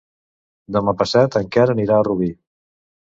Demà passat en Quer anirà a Rubí.